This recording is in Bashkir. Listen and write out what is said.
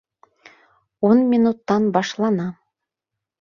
Ун минуттан башлана.